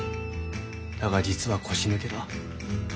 だが実は腰抜けだ。